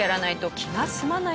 気が済まない。